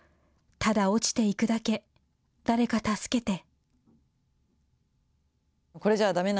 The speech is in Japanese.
ただ落ちていくだけ、誰か助けて。